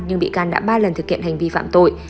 nhưng bị can đã ba lần thực hiện hành vi phạm tội